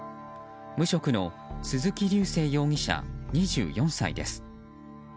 無職の鈴木瑠晟容疑者２４歳です。